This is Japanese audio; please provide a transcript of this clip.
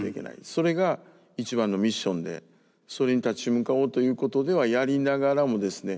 それが一番のミッションでそれに立ち向かおうということでやりながらもですね